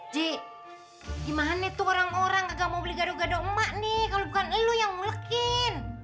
ji gimana tuh orang orang agak mau beli gado gado emak nih kalau bukan lu yang melekin